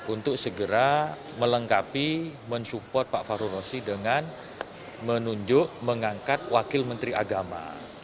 untuk segera melengkapi mensupport pak fahru rosi dengan menunjuk mengangkat wakil menteri agama